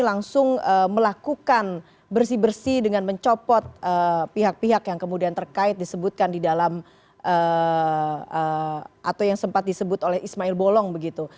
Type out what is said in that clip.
langsung melakukan bersih bersih dengan mencopot pihak pihak yang kemudian terkait disebutkan di dalam atau yang sempat disebut oleh ismail bolong begitu